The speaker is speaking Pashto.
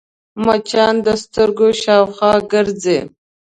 مچان د سترګو شاوخوا ګرځي